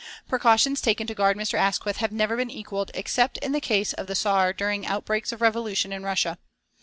The precautions taken to guard Mr. Asquith have never been equalled except in the case of the Tsar during outbreaks of revolution in Russia.